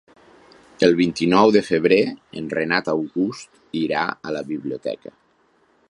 El vint-i-nou de febrer en Renat August irà a la biblioteca.